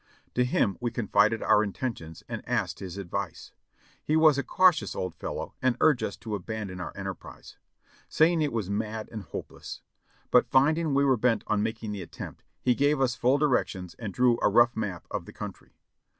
To him we confided our intentions and asked his advice. He was a cautious old fellow and urged us to abandon our enter prise, saying it was mad and hopeless ; but finding we were bent on making the attempt, he gave us full directions and drew a rough map of the country.